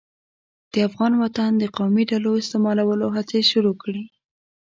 د افغان وطن د قومي ډلو استعمالولو هڅې شروع کړې.